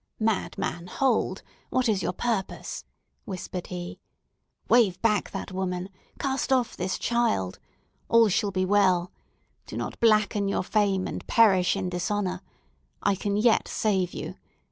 "Madman, hold! what is your purpose?" whispered he. "Wave back that woman! Cast off this child! All shall be well! Do not blacken your fame, and perish in dishonour! I can yet save you!